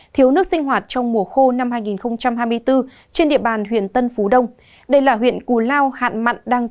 thiếu nước sinh hoạt trong mùa khô năm hai nghìn hai mươi